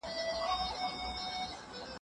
ولي معلوماتو ته لاسرسی د هر وګړي بنسټیز حق دی؟